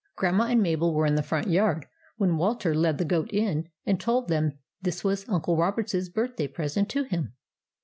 Grandma and Mabel were in the front yard when Walter led the goat in and told them that this was Uncle Robert's birthday present to him.